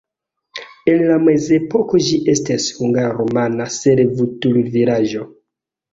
En la mezepoko ĝi estis hungara-rumana servutulvilaĝo.